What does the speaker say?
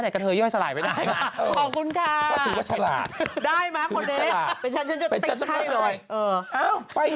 เป็นฉันจะติดให้เลย